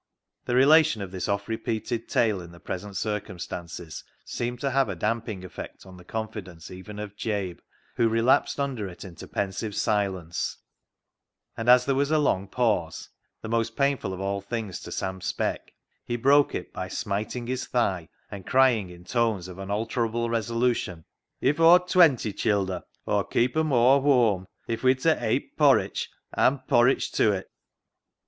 The relation of this oft repeated tale in the present circumstances seemed to have a damp ing effect on the confidence even of Jabe, who relapsed under it into pensive silence, and as there was a long pause, — the most painful of all things to Sam Speck, — he broke it by smit ing his thigh and crying in tones of unalterable resolution —" If Aw'd twenty childer, Aw'd keep 'em aw a whoam [at home], if we'd ta eight [eat] porritch, and porritch to it."